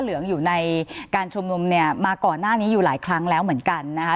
เหลืองอยู่ในการชุมนุมเนี่ยมาก่อนหน้านี้อยู่หลายครั้งแล้วเหมือนกันนะคะ